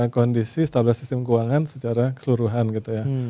kondisi stabilitas sistem keuangan secara keseluruhan gitu ya